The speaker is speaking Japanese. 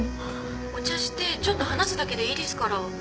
お茶してちょっと話すだけでいいですから。